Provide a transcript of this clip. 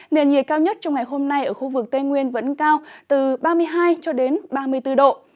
nền nhiệt cao nhất trong ngày hôm nay ở khu vực tây nguyên vẫn cao từ ba mươi hai cho đến ba mươi bốn độ